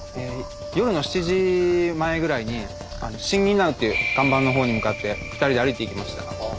夜の７時前ぐらいにあの「ＳＩＮＧＩＮ’ＮＯＷ」っていう看板のほうに向かって２人で歩いていきました。